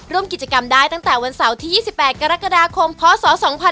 ร่วมกิจกรรมได้ตั้งแต่วันเสาร์ที่๒๘กรกฎาคมพศ๒๕๖๒